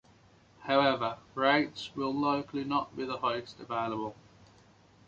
However rates will likely not be the highest available.